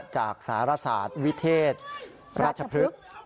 จากสารศาสตร์วิเทศราชพฤกษ์